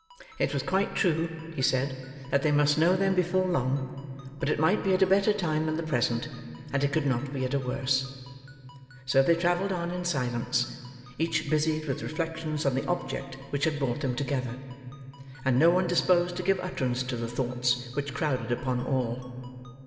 "It was quite true," he said, "that they must know them before long, but it might be at a better time than the present, and it could not be at a worse." So, they travelled on in silence: each busied with reflections on the object which had brought them together: and no one disposed to give utterance to the thoughts which crowded upon all.